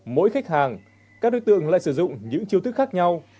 mỗi khách hàng các đối tượng lại sử dụng những chiêu thức khác nhau